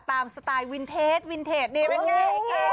ตามสไตล์วินเทจวินเทจนี่มันไง